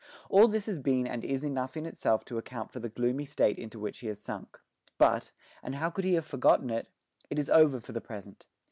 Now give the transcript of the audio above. All this has been and is enough in itself to account for the gloomy state into which he had sunk. But and how could he have forgotten it? it is over for the present.